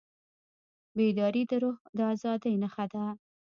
بیداري د روح د ازادۍ نښه ده.